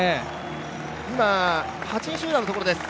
今、８位集団のところです。